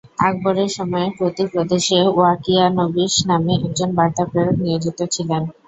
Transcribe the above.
আকবরের সময়ে প্রতি প্রদেশে ওয়াকিয়ানবিস নামে একজন বার্তা প্রেরক নিয়োজিত ছিলেন।